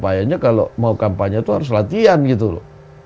supaya kalau mau kampanye itu harus latihan gitu loh